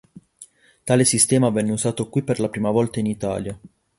Tale sistema venne usato qui per la prima volta in Italia.